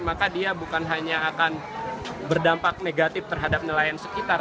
maka dia bukan hanya akan berdampak negatif terhadap nelayan sekitar